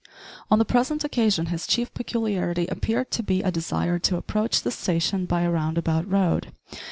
On the present occasion his chief peculiarity appeared to be a desire to approach the station by a round about road.